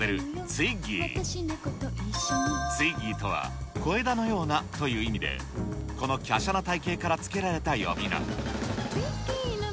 ツイッギーとは、小枝のようなという意味で、この華奢な体形から付けられた呼び名。